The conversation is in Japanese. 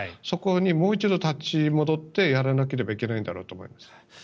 そこにもう一度立ち戻ってやらなければいけないんだろうと思います。